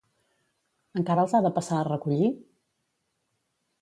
Encara els ha de passar a recollir?